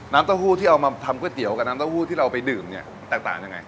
เต้าหู้ที่เอามาทำก๋วยเตี๋ยวกับน้ำเต้าหู้ที่เราไปดื่มเนี่ยมันแตกต่างยังไง